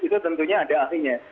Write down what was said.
itu tentunya ada ahlinya